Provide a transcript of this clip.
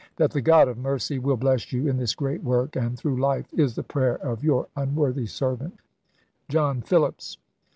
That the God of mercy will bless chap. xvi. you in this great work, and through life, is the prayer of your unworthy servant, John Phillips. ms.